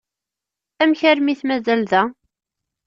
Amek armi i t-mazal da?